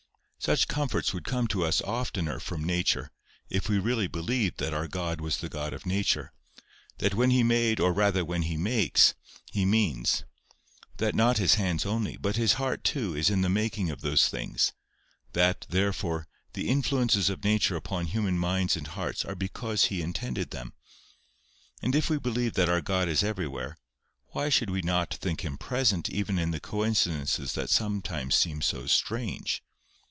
Such comforts would come to us oftener from Nature, if we really believed that our God was the God of Nature; that when He made, or rather when He makes, He means; that not His hands only, but His heart too, is in the making of those things; that, therefore, the influences of Nature upon human minds and hearts are because He intended them. And if we believe that our God is everywhere, why should we not think Him present even in the coincidences that sometimes seem so strange?